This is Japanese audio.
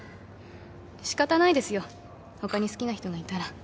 しかたないですよ他に好きな人がいたら。